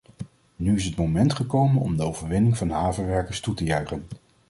Nu is het moment gekomen om de overwinning van de havenwerkers toe te juichen.